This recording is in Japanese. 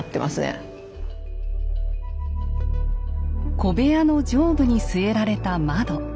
小部屋の上部に据えられた窓。